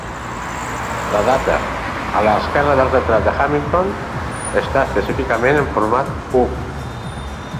La data, a l'esquerra del retrat de Hamilton, està específicament en format "ug".